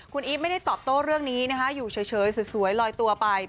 คุณอีฟไม่ได้ตอบโต้เรื่องนี้นะคะอยู่เฉยสวยลอยตัวไป